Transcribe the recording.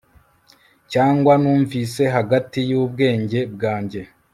Cyangwa numvise hagati yubwenge bwanjye